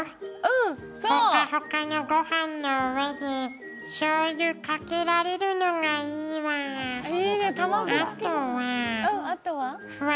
ほかほかのごはんの上にしょうゆかけられるのがいいなぁ。